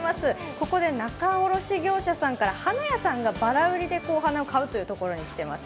ここで仲卸業者さんから花屋さんがばら売りでお花を買うところに来ています。